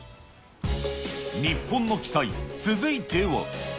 日本の奇祭、続いては。